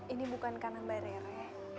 ini bukan karena mbak rere